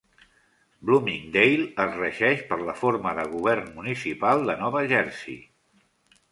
Bloomingdale es regeix per la forma de govern municipal de Nova Jersey.